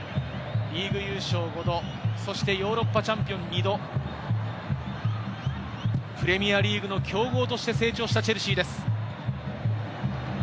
リーグ優勝５度、ヨーロッパチャンピオン２度、プレミアリーグの強豪として成長したチェルシーです。